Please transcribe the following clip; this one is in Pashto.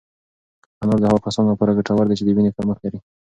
انار د هغو کسانو لپاره ګټور دی چې د وینې کمښت لري.